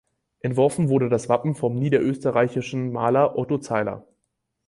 Entworfen wurde das Wappen vom niederösterreichischen Maler Otto Zeiller.